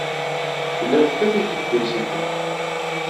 Tella tekkat-ik-id trisiti.